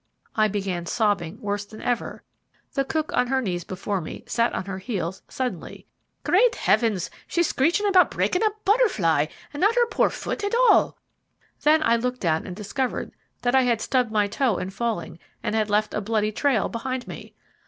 I began sobbing worse than ever. The cook on her knees before me sat on her heels suddenly. "Great Heavens! She's screechin' about breakin' a butterfly, and not her poor fut, at all!" Then I looked down and discovered that I had stubbed my toe in falling, and had left a bloody trail behind me.